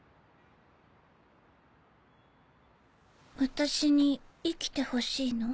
私に生きてほしいの？